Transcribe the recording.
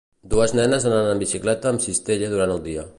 Dues nenes anant en bicicleta amb cistella durant el dia.